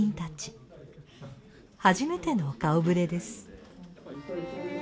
初めての顔ぶれです。